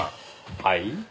はい？